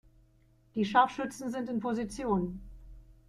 Die Scharfschützen sind in Position.